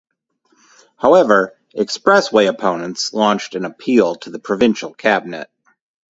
However, expressway opponents launched an appeal to the provincial cabinet.